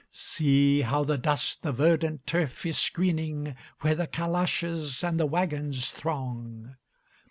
See how the dust the verdant turf is screening, Where the calashes and the wagons throng!